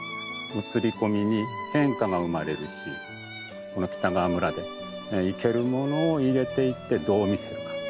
映り込みに変化が生まれるしこの北川村で生けるものを入れていってどう見せるか？